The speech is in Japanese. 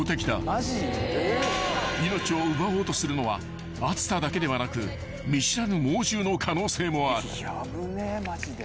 ［命を奪おうとするのは暑さだけではなく見知らぬ猛獣の可能性もある］